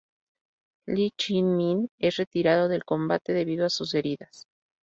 Li Chien Min es retirado del combate debido a sus heridas.